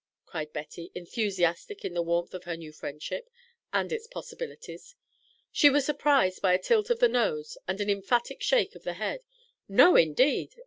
cried Betty, enthusiastic in the warmth of her new friendship and its possibilities. She was surprised by a tilt of the nose and an emphatic shake of the head. "No, indeed!"